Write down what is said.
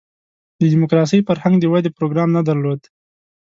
د دیموکراسۍ فرهنګ د ودې پروګرام نه درلود.